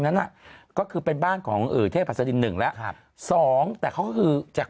นั้นน่ะก็คือเป็นบ้านของเอ่ยเทพศดิน๑แล้ว๒แต่เขาคือจาก